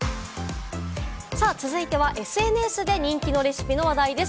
続いてはＳＮＳで人気のレシピの話題です。